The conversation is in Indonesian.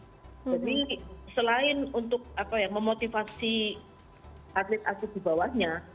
jadi selain untuk memotivasi atlet atlet di bawahnya